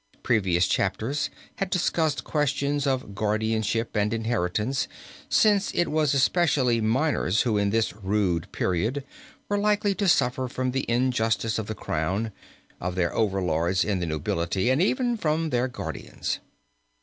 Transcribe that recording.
Previous chapters had discussed questions of guardianship and inheritance, since it was especially minors who in this rude period were likely to suffer from the injustice of the crown, of their over lords in the nobility, and even from their guardians.